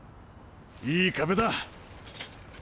いい壁だ！